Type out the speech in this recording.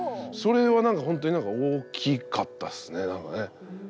それはなんか本当に大きかったっすねなんかね。